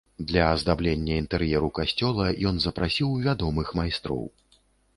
Для аздаблення інтэр'еру касцёла ён запрасіў вядомых майстроў.